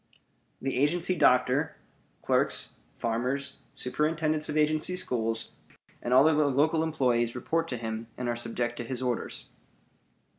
The agency doctor, clerks, farmers, superintendents of agency schools, and all other local employees report to him and are subject to his orders.